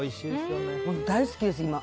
大好きです、今。